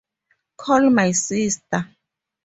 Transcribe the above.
Call my sister.